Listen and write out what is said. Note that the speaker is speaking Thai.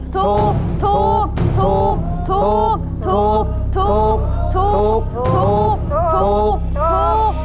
ถูกทำร่วม